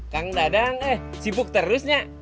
kang dadang eh sibuk terusnya